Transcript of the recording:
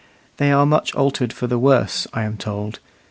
They are much altered for the worse, I am told.